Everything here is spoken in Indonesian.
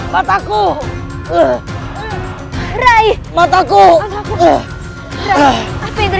kau tidak akan menang